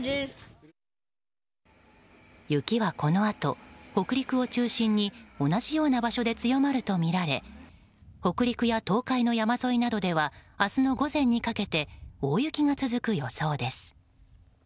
雪はこのあと北陸を中心に同じような場所で強まるとみられ北陸や東海の山沿いなどでは明日の午前にかけて大雪が続く予想です。